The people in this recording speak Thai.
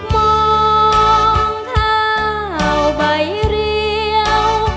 มองเท้าใบเรียว